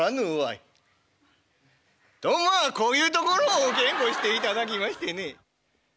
とまあこういうところを稽古していただきましてね」。